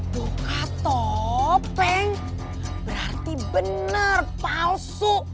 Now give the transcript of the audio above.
buka topeng berarti benar palsu